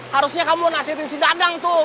harusnya kamu nasetin si dadang tuh